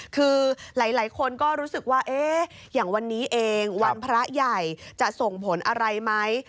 คือหลายคนก็รู้สึกว่าอย่างวันนี้เองวันพระใหญ่จะส่งผลอะไรไหม